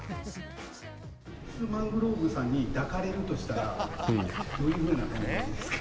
ミッツ・マングローブさんに抱かれるとしたら、どういうふうな感じですか？